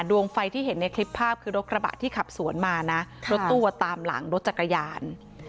ดวงไฟที่เห็นในคลิปภาพคือรถกระบะที่ขับสวนมานะรถตู้ตามหลังรถจักรยาน